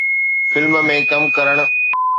film ۾ ڪم ڪرڻ